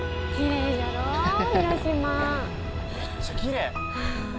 めっちゃきれい！